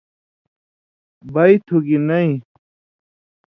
بی تُھو گی نَیں“